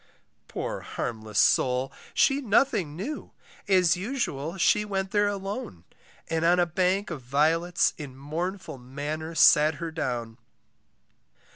Poor harmless soul she nothing knew, As usual she went there alone, And on a bank of violets In mournful manner sat her down.